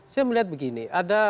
saya melihat begini